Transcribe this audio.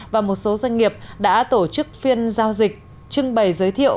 và một số doanh nghiệp đã tổ chức phiên giao dịch trưng bày giới thiệu